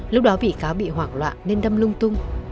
lúc đó bị cáo bị hoảng loạn nên đâm lung tung